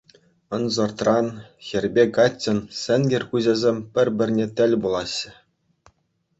Ӑнсӑртран хӗрпе каччӑн сенкер куҫӗсем пӗр-пӗрне тӗл пулаҫҫӗ.